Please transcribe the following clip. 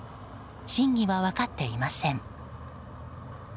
真偽は分かっていません。